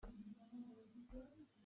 Apa ngai mi nu a si.